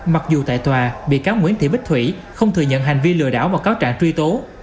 mặc dù tại tòa bị cáo nguyễn thị bích thủy không thừa nhận hành vi lừa đảo và cáo trạng truy tố